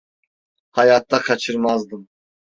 Hayatta kaçırmazdım.